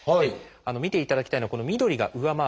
見ていただきたいのはこの緑が上回る。